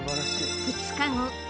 ２日後。